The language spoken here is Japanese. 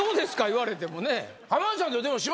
言われてもね。